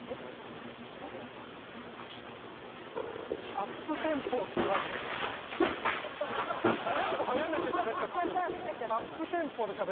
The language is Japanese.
「アップテンポ」って言われたのかと思ってテンポ速めてしゃべっちゃった。